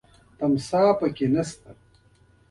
تمساح پکې نه شته .